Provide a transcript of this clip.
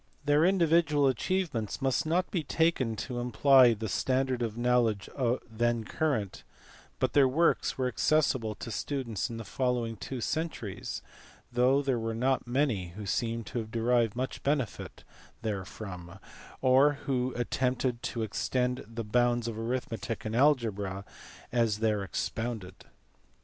Their individual achievements must not be taken to imply the standard of knowledge then current, but their works were accessible to students in the following two centuries though there were not many who seem to have derived much benefit therefrom or who attempted to extend the bounds of arithmetic and algebra as there expounded.